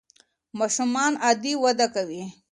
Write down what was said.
ماشومان عادي وده کوي.